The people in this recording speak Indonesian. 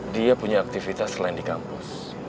dia punya aktivitas selain di kampus